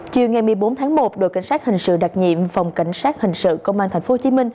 chiều ngày một mươi bốn tháng một đội cảnh sát hình sự đặc nhiệm phòng cảnh sát hình sự công an tp hcm